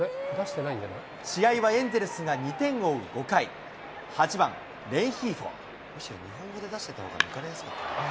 試合はエンゼルスが２点を追う５回、８番レンヒーフォ。